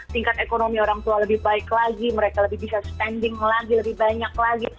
tingkat ekonomi orang tua lebih baik lagi mereka lebih bisa spending lagi lebih banyak lagi